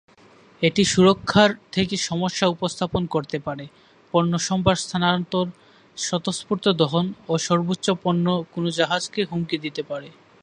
এটি সুরক্ষার থেকে সমস্যা উপস্থাপন করতে পারে: পণ্যসম্ভার স্থানান্তর, স্বতঃস্ফূর্ত দহন এবং সর্বোচ্চ পণ্য কোনও জাহাজকে হুমকি দিতে পারে।